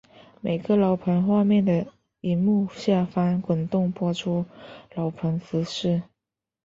每个楼盘画面的萤幕下方滚动播出楼盘资讯。